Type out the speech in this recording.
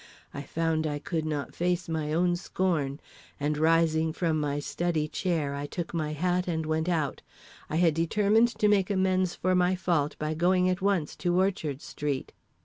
I found I could not face my own scorn; and, rising from my study chair, I took my hat and went out. I had determined to make amends for my fault by going at once to Orchard Street.